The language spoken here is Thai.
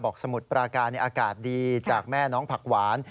สมุทรปราการอากาศดีจากแม่น้องผักหวาน